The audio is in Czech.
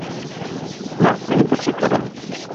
Ne, není to překladem.